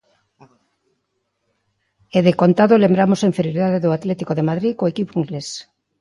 E decontado lembramos a inferioridade do Atlético de Madrid co equipo inglés.